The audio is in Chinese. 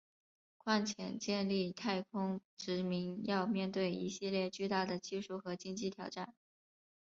况且建立太空殖民要面对一系列巨大的技术和经济挑战。